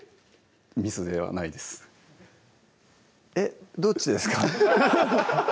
ミスではないですえっどっちですか？